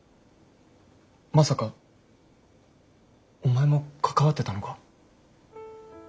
まさかお前も関わってたのか？